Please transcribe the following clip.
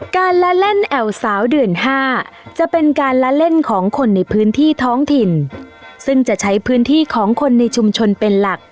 การละเล่นแอวสาวเดือน๕จะเป็นการละเล่นของคนในพื้นที่ท้องถิ่นซึ่งจะใช้พื้นที่ของคนในชุมชนเป็นหลัก